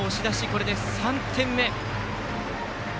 これで３点目。